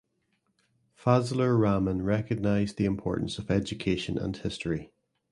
Fazlur Rahman recognised the importance of education and history.